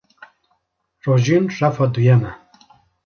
Rojîn refa duyem e.